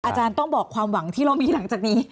อาจารย์ต้องบอกความหวังที่เรามีหลังจากนี้